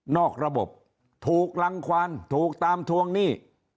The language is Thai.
อกระบบถูกรังความถูกตามทวงหนี้